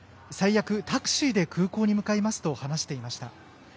最悪、タクシーで空港に向かいますと話していました。